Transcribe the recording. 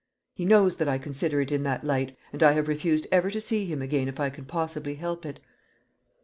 He knows that I consider it in that light, and I have refused ever to see him again if I can possibly help it."